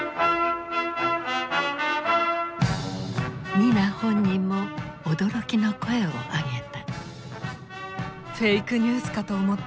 ニナ本人も驚きの声を上げた。